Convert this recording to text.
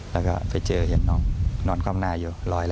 แล้วก็ไปเจอเห็นน้องนอนความน่าอยู่ร้อยละ